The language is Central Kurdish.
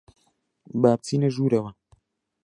با بچینە ژوورەوە.